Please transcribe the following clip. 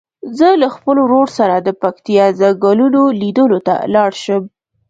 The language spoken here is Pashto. زه له خپل ورور سره د پکتیا څنګلونو لیدلو ته لاړ شم.